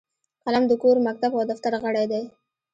قلم د کور، مکتب او دفتر غړی دی